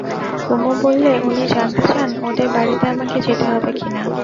কুমু বললে, উনি জানতে চান, ওঁদের বাড়িতে আমাকে যেতে হবে কি না।